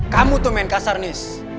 kamu tuh main kasar nis